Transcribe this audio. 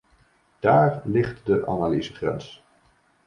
Daar ligt de analysegrens.